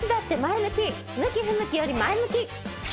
向き、不向きより前向き！